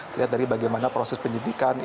dilihat dari bagaimana proses penyidikan ini